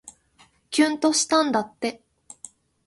きゅんとしたんだって